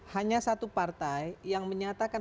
hanya satu partai yang menyatakan